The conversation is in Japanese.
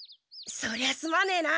そりゃすまねえな。